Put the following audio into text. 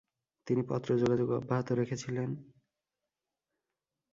তিনি পত্র যোগাযোগ অব্যাহত রেখেছিলেন।